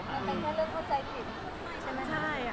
มันเป็นแค่เรื่องเข้าใจผิด